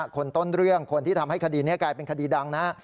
คนต้นเรื่องคนที่ทำให้คดีนี้กลายเป็นคดีดังนะฮะ